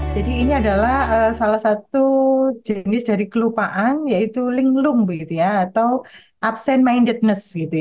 jadi ini adalah salah satu jenis dari kelupaan yaitu linglung atau absent mindedness